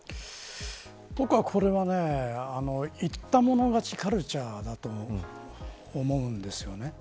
僕は、これは言った者勝ちカルチャーだと思います。